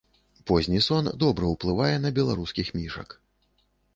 Позні сон добра ўплывае на беларускіх мішак.